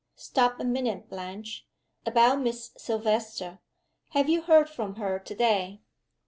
"Stop a minute, Blanche. About Miss Silvester? Have you heard from her to day?"